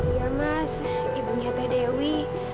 iya mas ibunya teh dewi